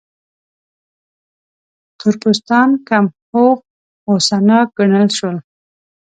تور پوستان کم هوښ، غوسه ناک ګڼل شول.